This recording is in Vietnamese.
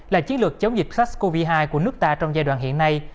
là chiến lược chống dịch sars cov hai của nước ta trong giai đoạn hiện nay